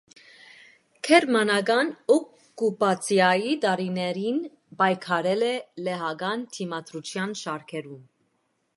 Գերմանական օկուպացիայի տարիներին պայքարել է լեհական դիմադրության շարքերում։